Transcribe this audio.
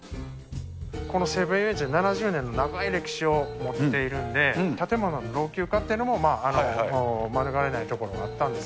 この西武園ゆうえんち、７０年の長い歴史を持っているんで、建物の老朽化というのも免れないところもあったんです。